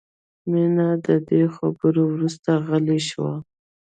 مینه د دې خبرو وروسته غلې شوه